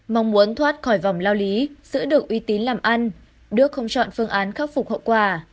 mong muốn thoát khỏi vòng lao lý giữ được uy tín làm ăn đức không chọn phương án khắc phục hậu quả